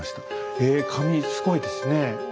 え髪すごいですね。